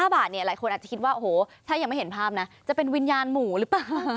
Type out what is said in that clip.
๕บาทเนี่ยหลายคนอาจจะคิดว่าโอ้โหถ้ายังไม่เห็นภาพนะจะเป็นวิญญาณหมูหรือเปล่า